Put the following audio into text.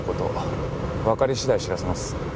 わかり次第知らせます。